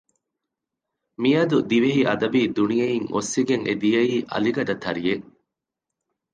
މިއަދު ދިވެހި އަދަބީ ދުނިޔެއިން އޮއްސިގެން އެ ދިޔައީ އަލިގަދަ ތަރިއެއް